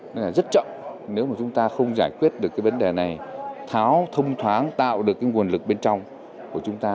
nên là rất chậm nếu mà chúng ta không giải quyết được cái vấn đề này tháo thông thoáng tạo được cái nguồn lực bên trong của chúng ta